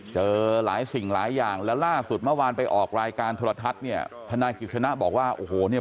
เจอหลายสิ่งหลายอย่างแล้วล่าสุดเมื่อวานไปออกรายการโทรทัศน์เนี่ยธนายกิจสนะบอกว่าโอ้โหเนี่ย